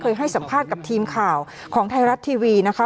ให้สัมภาษณ์กับทีมข่าวของไทยรัฐทีวีนะคะ